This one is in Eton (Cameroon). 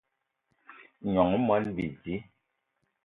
Gnong i moni bidi